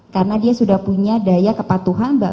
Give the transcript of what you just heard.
karena dia sudah punya daya kepatuhan